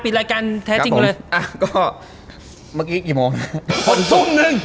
ปิดรายการแท้จริงเลยครับผมอ่ะก็เมื่อกี้กี่โมงสุกทุ่มหนึ่ง